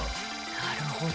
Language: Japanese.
なるほど。